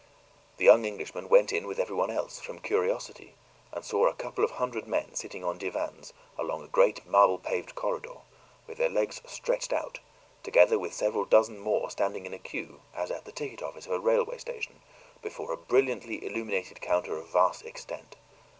The young Englishmen went in with everyone else, from curiosity, and saw a couple of hundred men sitting on divans along a great marble paved corridor, with their legs stretched out, together with several dozen more standing in a queue, as at the ticket office of a railway station, before a brilliantly illuminated counter of vast extent.